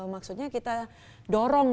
maksudnya kita dorong